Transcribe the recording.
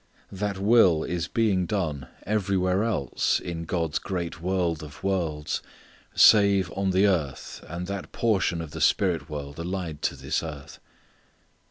That will is being done everywhere else in God's great world of worlds, save on the earth and that portion of the spirit world allied to this earth.